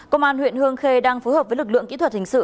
công an huyện hương khê đang phối hợp với lực lượng kỹ thuật hình sự